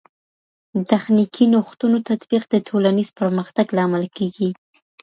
د تخنیکي نوښتونو تطبیق د ټولنیز پرمختګ لامل کیږي.